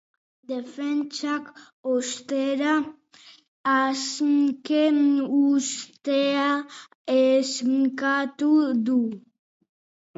Defentsak, ostera, aske uztea eskatu du.